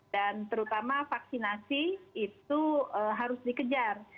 dan terutama vaksinasi itu harus dikejar